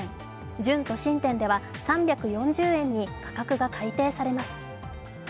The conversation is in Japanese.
準都心店では３４０円に価格が改定されます。